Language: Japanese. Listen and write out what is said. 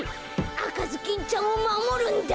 あかずきんちゃんをまもるんだ。